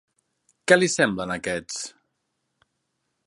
Què li semblen aquests...?